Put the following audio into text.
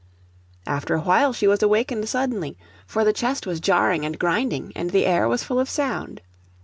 After a while she was awakened suddenly; for the chest was jarring and grinding, and the air was full of sound.